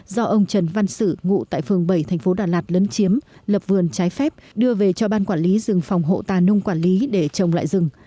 do ông trần văn sử ngụ tại phường bảy thành phố đà lạt lấn chiếm lập vườn trái phép đưa về cho ban quản lý rừng phòng hộ tà nung quản lý để trồng lại rừng